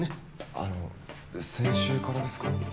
あの先週からですか？